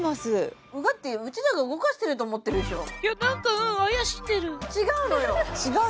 ウガッティーうちらが動かしてると思ってるでしょ？